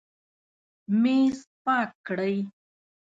میز پاک کړئ